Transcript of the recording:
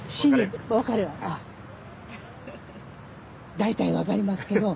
大体分かりますけど。